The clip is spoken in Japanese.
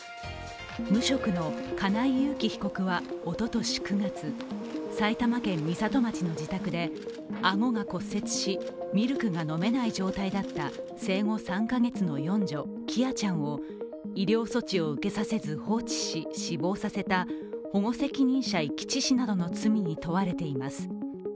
無職の金井裕喜被告はおととし９月埼玉県美里町の自宅で顎が骨折しミルクが飲めない状態だった生後３か月の四女、喜空ちゃんを医療措置を受けさせず放置し、死亡させた保護責任者遺棄致死などの罪に問われています。